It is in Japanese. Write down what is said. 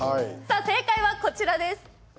正解は、こちらです。